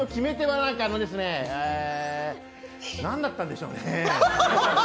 何だったんでしょうね。